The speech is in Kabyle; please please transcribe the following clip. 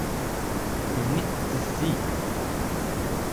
Ddunit tettezzi.